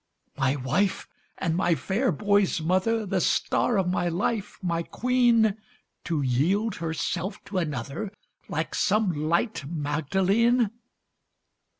My wife and my fair boy's mother The star of my life my queen To yield herself to another Like some light Magdalene!